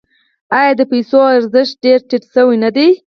آیا د پیسو ارزښت یې ډیر ټیټ شوی نه دی؟